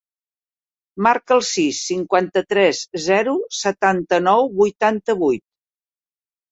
Marca el sis, cinquanta-tres, zero, setanta-nou, vuitanta-vuit.